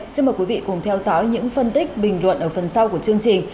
xin mời quý vị cùng theo dõi những phân tích bình luận ở phần sau của chương trình